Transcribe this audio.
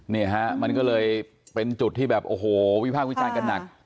นี่ฮะมันก็เลยเป็นจุดที่แบบโอ้โหวิพากษ์วิจารณ์กันหนัก